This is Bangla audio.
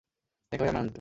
দেখা হয়ে আমি আনন্দিত।